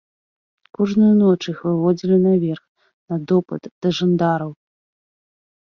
Кожную ноч іх выводзілі наверх, на допыт да жандараў.